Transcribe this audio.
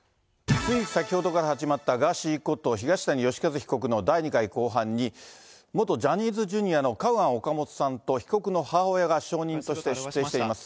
つい先ほどから始まったガーシーこと東谷義和被告の第２回公判に、元ジャニーズＪｒ．のカウアン・オカモトさんと被告の母親が証人として出廷しています。